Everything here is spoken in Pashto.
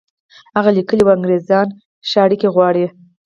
هغه لیکلي وو انګرېزان ښې اړیکې غواړي.